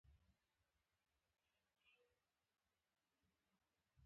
اې سړیه, آ ښځې